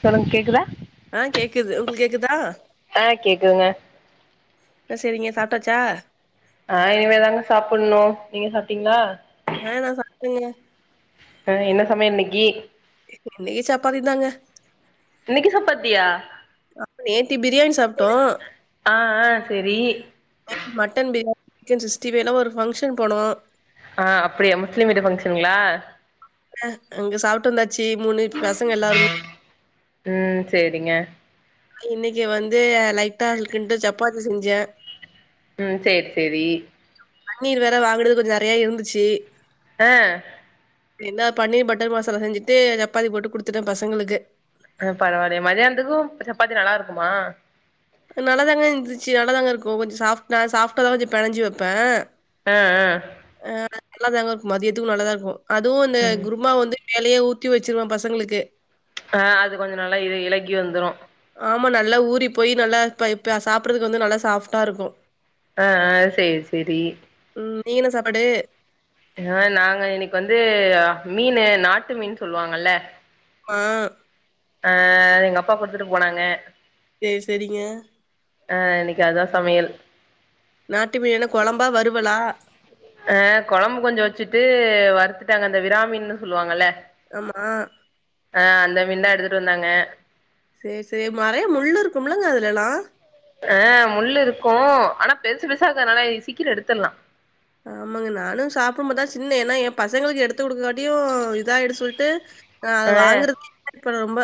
சொல்லுங் கேகுதா ஆ கேக்குது உங்களுக் கேக்குதா ஆ கேக்குதுங்க செரிங்க சாப்ட்டாச்சா ஆ இனிமேதாங்க சாப்பட்ணு நீங்க சாப்ட்டீங்களா ஆ நா சாப்டங்க ஆ என்ன சமயல் இன்னக்கி எப்மே சப்பாதிதாங்க இன்னைக்கு சப்பாத்தியா அ நேத்தி பிரியாணி சாப்ட்டோ ஆ ஆ செரி நே மட்டன் பிரியா சிக்கன் சிக்ஸ்டி ஃபைலா ஒரு ஃபங்ஷன் போனோ ஆ அப்பிடியா முஸ்லிம் வீட்டு ஃபங்ஷன்னுங்களா ஆ அங்க சாப்ட்டு வந்தாச்சு மூணுவீட்டு பசங்க எல்லாருமே ம் சேரிங்க இன்னக்கி வந்து லைட்டா இருக்குன்ட்டு சப்பாத்தி செஞ்ச ம் சேரி சேரி பண்ணீர் வேற வாங்குனது கொஞ்சோ நறையா இருந்துச்சு ஆ என்னா பன்னீர் பட்டர் மசாலா செஞ்சுட்டு சப்பாத்தி போட்டு குடுத்துட்ட பசங்களுக்கு அ பரவாலயே மதியானத்துக்கு சப்பாத்தி நல்லா இருக்குமா நல்லாதாங்க இருந்திச்சு நல்லாதாங்க இருக்கு கொஞ்சோ சாஃப்டா சாஃப்டாதா கொஞ்சோ பெனஞ்சு வைப்பே ஆ ஆ ஆ நல்லாதாங்க இருக்கு மதியத்துக்கு நல்லாதா இருக்கு அதுவு இந்த ம் குருமா வந்து மேலயே ஊத்தி வெச்சுருவ பசங்களுக்கு ஆ அது கொஞ்சோ நல்லா இல இலகி வந்துரு ஆமா நல்லா ஊறி போய் நல்லா இப்ப இப்ப சாப்பறதுக்கு வந்து நல்லா சாஃப்டா இருக்கு ஆ ஆ சேரி சேரி ம் நீங்க என்ன சாப்பாடு ஆ நாங்க இன்னக்கி வந்து மீனு நாட்டு மீன் சொல்வாங்கல்ல மா ஆ எங்க அப்பா குடுத்துட்டு போனாங்க சேர் சேரிங்க ஆ இன்னக்கி அதா சமயல் நாட்டு மீனென்ன கொழம்பா வறுவலா அ கொழம்பு கொஞ்சோ வெச்சுட்டு வறுத்துட்டங்க இந்த விராமீன்னு சொல்லுவாங்கல்ல ஆமா ஆ அந்த மீன்தா எடுத்துட்டு வந்தாங்க சேரி சேரி மறையா முள்ளு இருக்கும்முல்லங்க அதுலெல்லா ஆ முள்ளு இருக்கு ஆனா பெருசு பெருசா இருக்கறதுனால இ சீக்கிர எடுத்தர்லா ஆமாங்க நானு சாப்புடும்பாத்தா சின்ன ஏனா எ பசங்களுக்கு எடுத்து குடுக்ககாட்டியு இதா ஆயுடு சொல்ட்டு நா அது ஆ வாங்குறதுக்கே இல்ல இப்ப ரொம்ப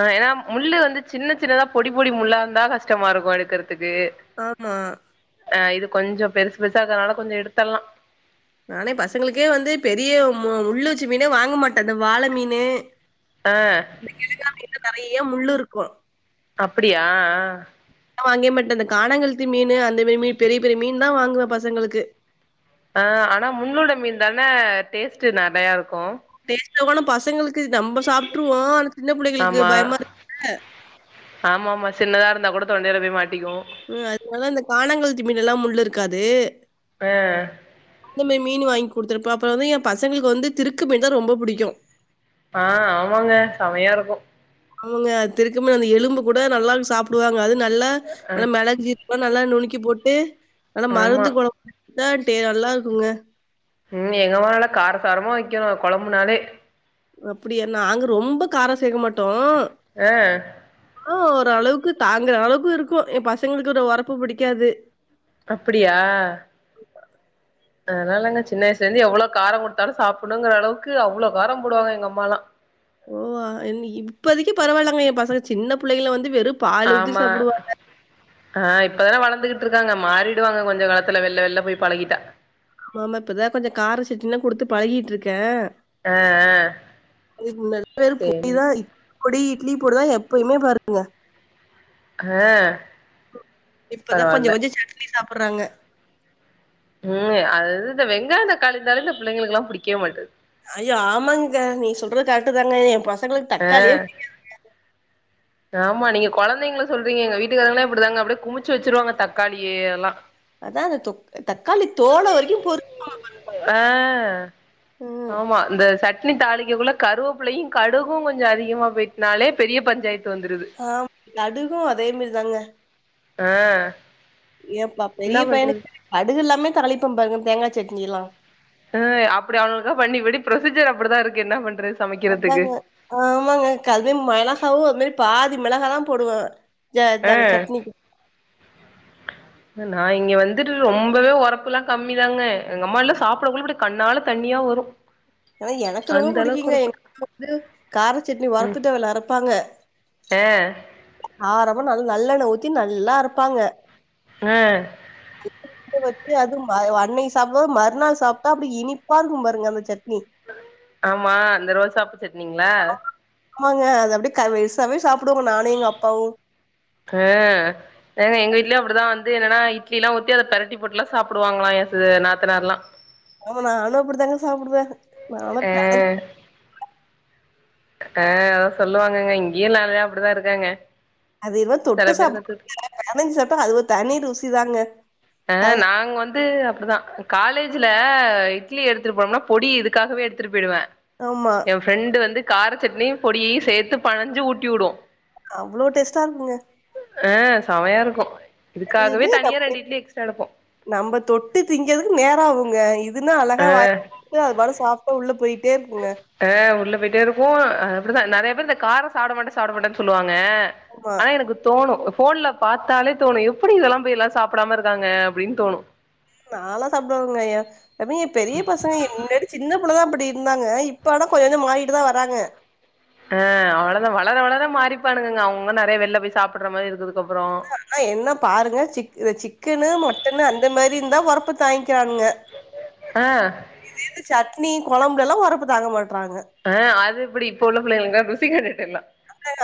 அ ஏனா முள்ளு வந்து சின்ன சின்னதா பொடி பொடி முள்ளா இருந்தா கஷ்டமா இருக்கு எடுக்குறதுக்கு ஆமா ஆ இது கொஞ்சோ பெருசு பெருசா இருக்குறனால கொஞ்சோ எடுத்தட்லா நானே பசங்களுக்கே வந்து பெரிய மு முள்ளு வச்ச மீனே வாங்க மாட்ட இந்த வாள மீனு ஆ இந்த கெழங்கா மீன்ல நறைய முள்ளுருக்கு அப்படியா ஆ நா வாங்கே மாட்ட இந்த கானங்கழுத்தி மீனு அந்த மாரி மீன் பெரிய பெரிய மீன் தா வாங்குவ பசங்களுக்கு ஆ ஆனா முள்ளோட மீன் தான டேஸ்ட்டு நிறைய இருக்கு டேஸ்ட்கானும் பசங்களுக்கு நம்ப சாப்ட்டுருவோ ஆன சின்ன புள்ளைங்களுக்கு பயமா இரு ஆமாமா சின்னதா இருந்தா கூட தொண்டைல போய் மாட்டிக்கு ம் அதனால இந்த கானங்கெளுத்தி மீன்னல்லா முள்ளுருக்காது ஆ இந்த மேரி மீன் வாங்கி குடுத்துருப்பே அப்றோ வந்து எ பசங்களுக்கு வந்து திருக்கு மீன் தா ரொம்ப புடிக்கு ஆ ஆமாங்க செமயாருக்கு அவங்க திருக்கு மீன் அந்த எலும்பு கூட நல்லா சாப்டுவாங்க அது நல்ல நல்லா மெளகு சீர் கோ நல்லா நுணுக்கி போட்டு நல்லா ஆமா மருந்து கொழம்பு தா டே நல்லாருக்குங்க ம் எங்கம்மா நல்லா காரசாரமா வக்கணு கொழம்புனாலே அப்டியா நாங்க ரொம்ப காரோ சேக்க மாட்டோ ஆ ஆ ஓரளவுக்கு தாங்குற அளவுக்கு இருக்கு எ பசங்களுக்கு இந்த ஒரப்பு புடிக்காது அப்படியா அதலா இல்லங்க சின்ன வயசுலருந்து எவ்ளோ காரோ குடுத்தாலு சாப்புனுங்ற அளவுக்கு அவ்ளோ காரோ போடுவாங்க எங்கம்மாலா ஓ வா இல் இப்பதக்கி பரவால்லங்க எ பசங்க சின்ன புள்ளைல வந்து வெறு ஆமா ஆ இப்பதானே வளர்ந்துகிட்ருக்காங்க மாறிடுவாங்க கொஞ்ச காலத்துல வெள்ல வெள்ல போய் பழகிட்டா ஆமா இப்பதா கொஞ்ச கார சட்டினில்லாகுடுத்து பழகிட்ருக்கே ஆ ஆ அதுக்கு சேரி [inaudible] பொடி இட்லி பொடிதா எப்பயுமே பாருங்க ஆ இப்பதா கொஞ்ச பரவால்ல கொஞ்சோ சட்னி சாப்புறாங்க ம் அது இது இந்த வெங்காயோ தக்காளி இருந்தாலே இந்த பிள்ளைங்களுக்கெல்லா பிடிக்கவே மாட்டது ஐயோ ஆமாங்க நீங் சொல்றது கரெக்ட்டு தாங்க எ பசங்களுக்கு ஆ தக்காளியே பிடி ஆமா நீங்க கொழந்தைங்கள சொல்றீங்க எங்க வீட்டுக்காரங்ல்லா இப்டிதாங்க அப்டியே குமிச்சு வச்சுருவாங்க தக்காளியல்லா அதா அந்த தொக் தக்காளி தோல வரைக்கு பொருக்குவாங்க ஆ ஆமா இந்த சட்னி தாளிக்கக்குள்ள கருவேப்புல்லயு கடுகு கொஞ்ச அதிகமா போய்ட்டனாலே பெரிய பஞ்சாயத்து வந்துடுது ஆமா கடுகு அதே மேரி தாங்க ஆ ஏப்பா என்ன பெரிய பண்றது பையனுக்கு கடுகு இல்லாமே தாளிப்பே பாருங்க தேங்கா சட்னில்லா ஆ அப்டி அவனுகளுக்கா பண்ணி படி ப்ரொசீஜர் அப்டி தாருக்கு என்ன பண்றது சமைக்கிறதுக்கு அதாங்க ஆமாங்க கது மெளகாவு அது மாரி பாதி மெளகா தா போடுவே ஆ நா இங்கே வந்துட்டு ரொம்பவே ஒரப்புல்லா கம்மி தாங்க எங்கம்மால்ல சாப்றக்குள்ள இப்டி கண்ணால தண்ணியாவரு ஆ எனக்கு ரொம்ப புடிக்குங்க எங்கம்மா வந்து கார சட்னி ம் ஒரப்பு தொவையல் அரப்பாங்க ஆ காரமா நல் நல்லெண்ண ஊத்தி நல்லா அரப்பாங்க ஆ வச்சு அது ம அன்னக்கி சாப்ப மற்நாள் சாப்ட்டா அப்டி இனிப்பாருக்கு பாருங்க அந்த சட்னி ஆமா அந்த ரோசாப்பூ சட்னிங்ளா ஆமாங்க அது அப்டியே க வெர்ஸாவே சாப்டுவோங்க நானு எங்க அப்பாவு எ ஏங்க எங்க வீட்லயு அப்டிதா வந்து என்னன்னா இட்லில்லா ஊத்தி அது பெறட்டி போட்டுலா சாப்புடுவாங்களா ஏ ஸு நாத்தனார்லா ஆமா நானு அப்டித்தாங்க சாப்புடுவே நானு ஆ பெனஞ் அ சொல்லுவாங்கங்க இங்கியு நறயா அப்டிதா இருக்காங்க அதைவ செல தொட்டு பேரு சாப்பட்ற கத்துது விட பெனஞ் சாப்ட்டா அது ஒரு தனி ருசிதாங்க அ நாங் வந்து அப்டிதா காலேஜ்ல இட்லி எடுத்துட்டு போனம்னா பொடி இதுக்காகவே எடுத்துட்டு போயிடுவே ஆமா என் ஃப்ரெண்டு வந்து கார சட்னியு பொடியயு சேத்து பெனஞ்சு ஊட்டி விடு அவ்ளோ டேஸ்ட்டா இருக்குங்க அ செமையா இருக்கு அது இதுக்காகவே இது தனியா ரெண்டு இட்லி எக்ஸ்ட்ரா எடுப்போ [inaudible] நம்ப தொட்டு திங்கற்துக் நேரோ ஆகுங்க இதுனா ஆ அழகா வாய் [inaudible] ட்டு அது பாட்டுக்கு சாப்ட்டா உள்ள போய்ட்டே இருக்குங்க அ உள்ள போய்ட்டே இருக்கு அ அப்டி தா நெறைய பேர் இந்த காரோ சாப்ட மாட்ட சாப்ட மாட்டன் சொல்லுவாங்க ஆமா ஆனா எனக்கு தோணு ஃபோன்ல பாத்தாலே தோணு எப்புடி இதெல்லா போய் எல்லா சாப்டாம இருக்காங்க அப்டின் தோணு நால்லா சாப்டுவங்கயா அது எ பெரிய பசங்க என்னது சின்ன புள்ளதா அப்புடி இருந்தாங்க இப்போ ஆனா கொஞ்ச கொஞ்சோ மாரிட்டு தா வராங்க ஆ அவ்வள தா வளர வளர மாறிப்பானுங்கங்க அவுங்க நெறைய வெள்ல போய் சாப்பட்ற மாரி இருக்கற்துக்கப்பறோ ஆனா என்ன பாருங்க சிக்கு அ சிக்கனு மட்டனு அந்த மாரிந்தா ஒரப்பு தாங்க்கிறானுங்க [unintelligible] ஆ இதே இந்த சட்னி கொழம்ப்லெல்லா ஒரப்பு தாங்க மாட்றாங்க ஆ அது எப்டி இப்ப உள்ள பிள்ளைகளுங்க ருசி கண்டுட்டெல்லா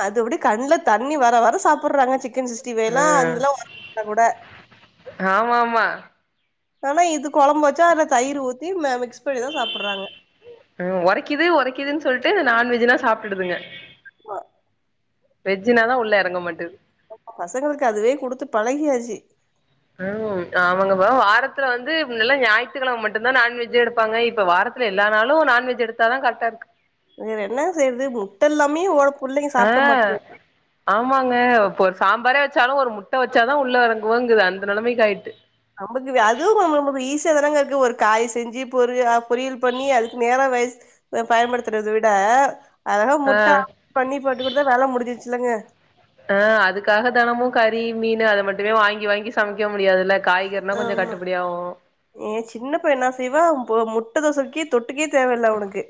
அது அப்டி கண்ல தண்ணி வர வர சாப்பட்றாங்க சிக்கன் சிக்ஸ் டி ஆ ஃபைல்லா அந்தெல்லா ஒரப் இர்ந்தா கூட ஆமா ஆமா ஆனா இது கொழம்ப் வச்சா அதுல தயிர் ஊத்தி மே மிக்ஸ் பண்ணிதா சாப்புட்றாங்க ஆ உரைக்குது உரைக்குதுன் சொல்ட்டு நான்வெஜ்ன்னா சாப்ட்டுடுதுங்க ஓ வெஜ்ஜுனாதா உள்ள எறங்க மாட்டுது பசங்களுக்கு அதுவே குடுத்து பழகியாச்சி வாங்வோ அவுங்கப்பா வாரத்துல வந்து நல்ல ஞாய்த்துக்கெழம மட்டுந்தா நான்வெஜ்ஜே எடுப்பாங்க இப்ப வாரத்து ல எல்லா நாளு நான்வெஜ் எடுத்தா தா கரட்டார்க்கு வேற என்ன செய்றது முட்டல்லாமே ஓர புள்ளைங்க ஆ சாப்ட மாட்டுது ஆமாங்க இப்ப ஒரு சாம்பாரே வெச்சாலு ஒரு முட்ட வெச்சாதா உள்ள எறங்குவங்குது அந்த நெலைமைக்கு ஆய்ட்டு நமக்கு வே அது ரொம்ப ரொம்பவே ஈஸியா தானாங்க இருக்கு ஒரு காயி செஞ்சு பொரி ஆ பொரியல் பண்ணி அதுக்கு நேரோ வேஸ் த பயன்படுத்துறத விட அழகா ஆ முட்ட ஆம்லெட் பண்ணி போட்டு குடுத்தா வேல முடிஞ்சிருச்சில்லங்க ஆ அதுக்காக தெனமு கறி, மீனு அத மட்டுமே வாங்கி வாங்கி சமைக்க முடியாதுல்ல காய்கறினா கொஞ்சோ ஆமா கட்டுப்படியாவு ஏ சின்னப்பைய என்னா செய்வா போ முட் ட தோசைக்கி தொட்டுக்கே தேவயில்ல அவனுக்கு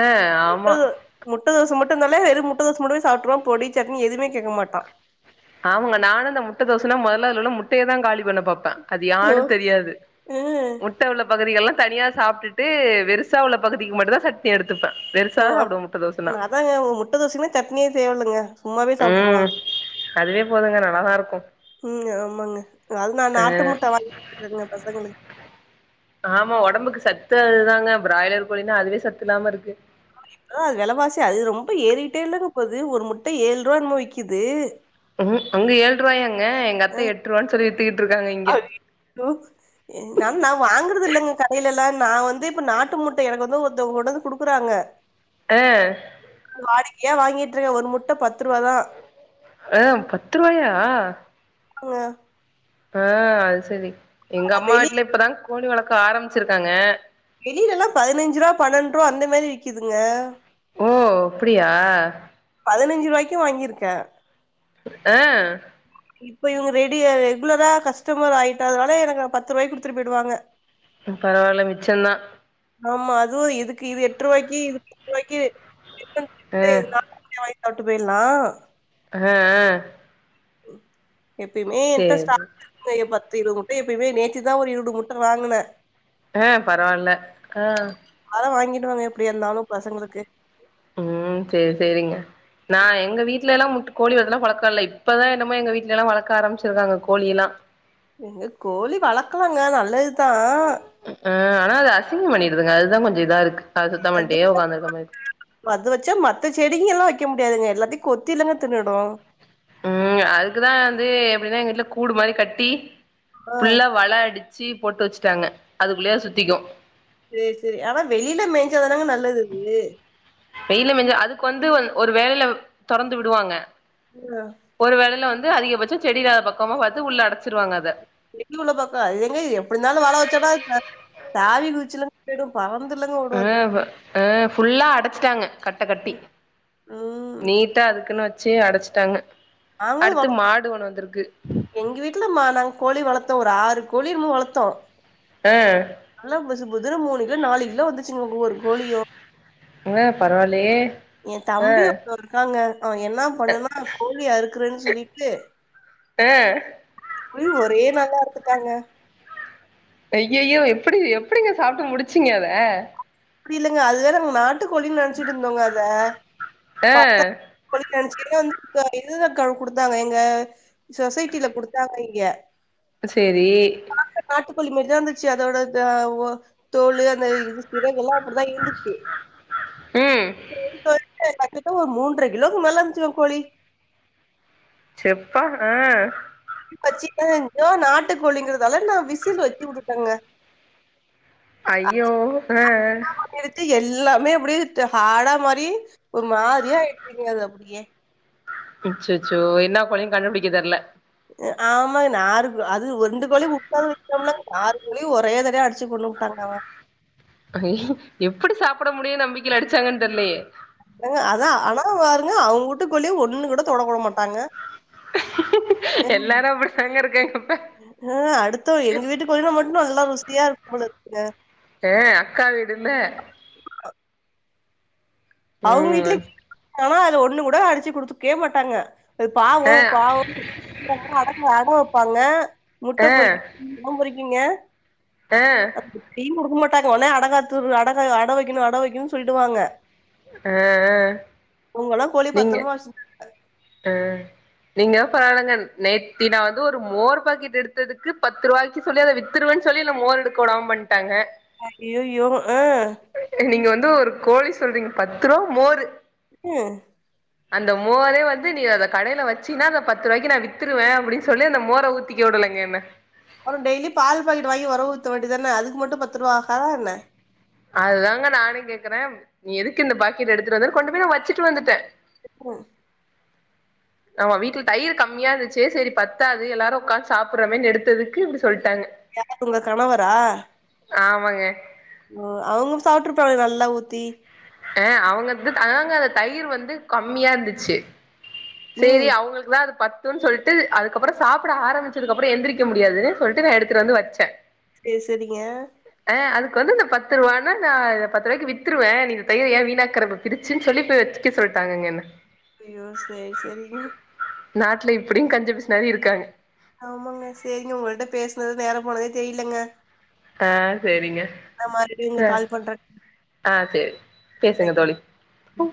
ஆ முட்ட ஆமா தோ முட்ட தோச மட்டு இர்ந்தாலே வெறு முட்ட தோச மட்டுமே சாப்ட்ருவா பொடி, சட்னி எதுமே கேக்க மாட்டா ஆமாங்க நானு இந்த முட்ட தோசன்னா மொதல்ல அதுல உள்ள முட்டைய தா காலி பண்ண பாப்ப அது ஓ யான்னு தெரியாது ம் முட்ட உள்ள பகுதிகள்லா தனியா சாப்ட்டுட்டு வெருசா உள்ள பகுதிக்கு மட்டுந்தா சட் எடுத்துப்பே வெருசா ஓ அப் சாப்டுவ முட்ட தோசன்னா அதாங்க முட்ட தோசைக்னா சட்னியே தேவேலங்க சும்மாவே சாப்ட்டுருவா ம் அதுவே போதுங்க நல்லாதா இருக்கு ம் ஆமாங்க அது நா நாட்டு முட்ட வாங்கிக்றேங்க பசங்களுக்கு ஆமா ஒடம்புக்கு சத்து அதுதாங்க பிராய்லர் கோழினா அதுவே சத்து இல்லாம இருக்கு இன்னு அது வெலவாசி அது ரொம்ப ஏறிட்டேல்லங்க போது ஒரு முட்ட ஏழ் ரூவா என்னமோ விக்கிது ம் அங்க ஏழ்ருவாயாங்க எங்க அத்த எட் ரூவானு சொல்லி வித்துக்கிட்டு இருக்காங்க இங்க லோ என் நன் நா வாங்கறது இல்லங்க கடைலல்லா நா வந்து இப்ப நாட்டு முட்ட எனக்கு வந்து ஒருத்தவங்க கொண்டு வந்து குடுக்குறாங்க அ வாடிக்கையே வாங்கிட்டுருக்கே ஒரு முட்ட பத்ரூவாதா ஆ பத் ரூவாயா ங்க ஆ அது சரி எங்க அம்மா வெளி வீட்ல இப்பதா கோழி வளக்க ஆரம்பிச்சிருக்காங்க வெளிலெல்லா பதினஞ்சு ரூவ பன்னெண்டு ரூவா அந்த மாரி விக்குதுங்க ஓ அப்டியா பதினஞ்சு ரூவாய்க்கு வாங்கிருக்கே அ இப் ப்போ இவுங்க ரெடியா ரெகுலரா கஸ்டமர் ஆயிட்டதுனால எனக்கு பத்து ரூவாய்க்கு குடுத்துட்டு போயிடுவாங்க ம் பரவால்ல மிச்சந்தா ஆமா அதுவு இதுக்கு இது எட்டு ரூவாய்க்கு இது பத்து ரூவாய்க்கு [inaudible] ஆ இதே வாங்கி சாப்ட்டு போயிட்லா அஹ ஆ எப்பயுமே என்ட்ட சேரி ஸ்டாக் இருக்குங்க எ பத்து இருவது முட்ட எப்பயுமே நேத்துதா ஒரு இருடு முட்ட வாங்குன அ பரவால்ல ஆ அதெலா வாங்கிடுவங்க எப்டியா இருந்தாலு பசங்களுக்கு ம் செரி செரிங்க நா எங்க வீட்லல்லா முட் கோழி வளத்துலா பழக்கோ இல்ல இப்பதா என்னமோ எங்க வீட்லைல்லா வளக்க ஆரம்பிச்சிருக்காங்க கோழி எல்லா இங்க கோழி வளக்கலாங்க நல்லதுதா ஆ ஆனா அது அசிங்கம் பண்ணிடுதுங்க அதுதா கொஞ்சோ இதா இருக்கு அத சுத்தோ பண்ணிட்டே உக்காந்துருக்க மாரி மது வச்சா மத்த செடிங்க எல்லா வைக்க முடியாதுங்க எல்லாத்தையு கொத்திலங்க தின்னுடு ம் அதுக்குதா வந்து எப்டின்னா எங்க வீட்ல கூடு மாரி கட்டி ஆ ஃபுல்லா வல அடிச் சு போட்டு வச்சுட்டாங்க அதுக்குள்ளே அது சுத்திக்கு சேரி சேரி ஆனா வெளில மேஞ்சாதானாங்க நல்லது அது வெயில மேஞ்சா அதுக்கு வந்து ஒ ஒரு வேலைல தொறந்து விடுவாங்க அ ஒரு வேலைல வந்து அதிகபட்சோ செடி இல்லாத பக்கமா பாத்து உள்ள அடச்சிருவாங்க அத வெயில் உள்ள பக்கோ இது எங்க எப்டிந்தாலு வல வச்சன்னா த தாவி குதிச்சுலா போய்டு பறந்துல்லங்க ஆ வ ஆ ஃபுல்லா அடச்சிட்டாங்க கட்ட கட்டி ம் ட்ட அதுக்குன்னு வச்சு அடச்சிட்டாங்க நாங்களு அடுத்து வள மாடு ஒன்னு வந்திருக்கு எங்க வீட்லமா நாங்க கோழி வளத்தோ ஒரு ஆறு கோழியோ என்னமோ வளத்தோ ஆ நல்லா புசுபுதுன்னு மூணு கிலோ நாலு கிலோ வந்துச்சுங்க ஒவ்வொரு கோழியு ஏங்க பரவாயில்லயே ஏ ஆ தம்பி ஒருத்தே இருக்காங்க அவே என்னா பண்ணுனா கோழிய அறுக்குறேன்னு சொல்லிட்டு ஆ போயி ஒரே நாள்ல அறுத்துட்டாங்க ஐய்யய்யோ எப்டி எப்டிங்க சாப்ட்டு முடிச்சிங்க அத புரியலங்க அது வேற நாங்க நாட்டுக்கோழின்னு நெனச்சிட்டு இருந்தோங்க அத ஆ பாத்தா [inaudible] கோழின்னு நெனச்சுக்கினே வந்து இன்னோரு அக்கா வந்து குடுத்தாங்க எங்க சொசைட்டில குடுத்தாங்க இங்க சேரி நாட்டுக்கோழி மாரிதா இருந்துச்சு அதோட இந்த ஒ தோலு அந்த இது இறகுல்லா அப்டிதா இருந்துச்சு ம் செரின்னு சொல்லிட்டு கரெக்டா ஒரு மூன்றரை கிலோக்கு மேலா இருந்துச்சுங்க கோழி செப்பா ஆ வச்சிடேங்க நாட்டு கோழிங்கிறதால நா விசில் வச்சு விட்டுட்டேங்க அய்யோ ஆ ஆ இதுக்கு எல்லாமே அப்டியே ஹாடா மாரி ஒரு மாரியா ஆயிடுச்சிங்க அது அப்டியே அச்சச்சோ என்ன கோழின்னு கண்டுபிடிக்க தெர்ல ஆமாங்க நாருது அது ரெண்டு கோழி முப்பது விட்டோம் இல்லங்க ஆறு கோழியு ஒரே தடவயா அடிச்சு கொன்னு டாங்க அய்யே எப்டி சாப்ட முடியுன்னு நம்பிக்கேல அடிச்சாங்கன்னு தெரிலையே ஏங்க அதா ஆனா பாருங்க அவுங்கவூட்டக்கோழிய ஒண்ணு கூ தொடக்கூட மாட்டாங்க எல்லாரு அப்டிதாங்க இருக் காங்க அப்ப ஆ அடுத்த எங்க வீட்டு கோழின்னா மட்டு நல்லா ருசியா இருக்கும் போல இருக்குங்க ஏ அக்கா வீடுன்னு அவங்க ம் வீட்டுலயு ஆனா அத ஒண்ணு கூட அடிச்சு குடுக்கயே மாட்டாங்க அது பாவோ ஆ பாவோ [inaudible] அட அட வப்பாங்க முட்ட ஆ ஆ பொரிய எல்லா பொறிக்குங்க ஆ அப்டியு குடுக்க மாட்டாங்க ஒடனே அடகாத்துரு அடகா அட வக்கணு அட வக்கணுன்னு சொல்லிடுவாங்க ஆ உங்கள நீங்க ஆ நீங்க வேணா பாருங்க நேத்தி நா வந்து ஒரு மோர் பாக்கெட் எடுத்ததுக்கு பத்து ரூபாய் சொல்லி அத வித்துருவேன்னு சொல்லி என்ன மோர் எடுக்க விடாம பண்ணிட்டாங்க அய்யய்யோ ஆ நீங்க வந்து ஒரு கோழி சொல்றீங்க பத்து ரூவா மோரு ம் அந்த மோரே வந்து நீ அத கடேல வச்சின்னா அத பத்து ரூபாய்க்கு நா வி்த்துருவே அப்டின்னு சொல்லி அந்த மோர ஊத் திங்க விடலங்க என்ன அப்பறோ டெய்லியு பால் பாக்கெட் வாங்கி ஒரஊத்த வேண்டி தான அதுக்கு மட்டு பத்து ரூவா ஆகாதா என்ன அதுதாங்க நானு கேக்குறே நீ எதுக்கு இந்த பாக்கெட் எடுத்துட்டு வந்தன்னு கொண்டு போய் நா வச்சுட்டு வந்துட்டே ஓ நம்ம வீட்ல தயிர் கம்மியா இருந்துச்சு சேரி பத்தாது எல்லாருமக்ஷ உக்காந்து சாப்டுறமேன்னு எடுத்ததுக்கு இப்டி சொல்ட்டாங்க யாரு உங்க கணவரா ஆமாங்க ஓ அவுங்க சாப்ட்டுருப்பாங்ளே நல்லா ஊத்தி அ அவுங்க இது அவுங்க அந்த தயிர் வந்து கம்மியா இந்துச்சு சேரி ம் அவுங்களுக்குதா அது ப த்துன் சொல்ட்டு அதுக்கப்றோ சாப்பிட ஆரம்பிச்சதுக்கப்றோ எந்திரிக்க முடியாதுன்னு சொல்ட்டு நா எந்திரிச்சு வந்து வச்ச சேரி சேரிங்க ஆ அதுக்கு வந்து இந்த பத்து ரூவானா நா பத்து ரூபாய்க்கு வித்துருவேன் நீங்க ஏன் தயிரவீணாக்கற பிரிச்சுன் சொல்லி போய் வெச்சுட்ட சொல்லிட்டாங்க என்ன அய்யோ சேரி சேரிங்க நாட்ல இப்டியு கஞ்ச பிசினாரி இருக்காங்க ஆமாங்க சேரிங்க உங்கள்கிட்ட பேசனது நேரோ போனதே தெரிலங்க அ சேரிங்க நா மறுபடியு ஆ உங்களுக்கு கால் பண்றேங்க ஆ சேரி பேசுங்க பாய்ங்க தோழி ஓ